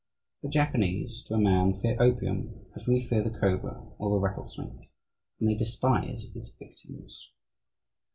The Japanese to a man fear opium as we fear the cobra or the rattlesnake, and they despise its victims.